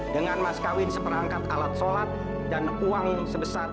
dengan mas kawin seperangkat alat sholat dan uang sebesar dua puluh lima